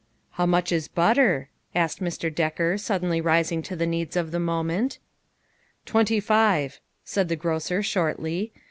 " How much is butter ?" asked Mr. Decker, suddenly rising to the needs of the moment. "Twenty five," said the grocer, shortly.